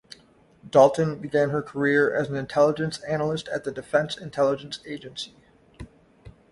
Dalton began her career as an intelligence analyst at the Defense Intelligence Agency.